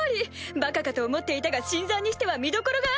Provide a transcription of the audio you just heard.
バカかと思っていたが新参にしては見どころがあるぞ！